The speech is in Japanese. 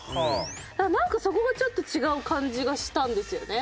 だからなんかそこがちょっと違う感じがしたんですよね。